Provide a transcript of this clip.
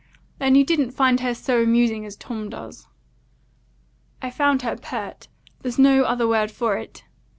"Then you didn't find her so amusing as Tom does?" "I found her pert. There's no other word for it.